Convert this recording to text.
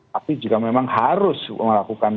tapi jika memang harus melakukan